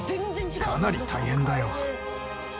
かなり大変だよ。